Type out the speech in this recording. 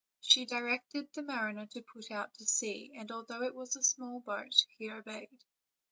She directed the mariner to put out to sea, and although it was a small boat, he obeyed.